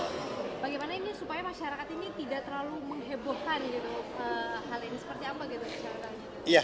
bagaimana ini supaya masyarakat ini tidak terlalu mengebohkan hal ini seperti apa